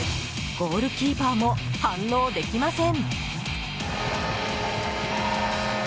ゴールキーパーも反応できません。